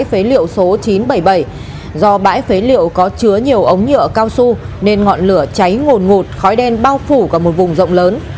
bãi phế liệu số chín trăm bảy mươi bảy do bãi phế liệu có chứa nhiều ống nhựa cao su nên ngọn lửa cháy ngồn ngụt khói đen bao phủ cả một vùng rộng lớn